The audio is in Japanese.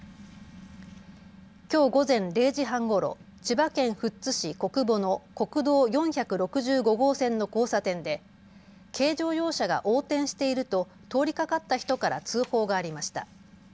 きょう午前０時半ごろ千葉県富津市小久保の国道４６５号線の交差点で軽乗用車が横転していると通りかかった人から通報がありました。